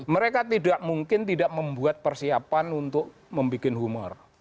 mereka tidak mungkin tidak membuat persiapan untuk membuat humor